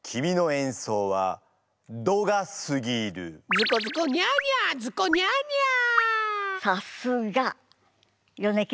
ズコズコにゃーにゃーズコにゃーにゃー！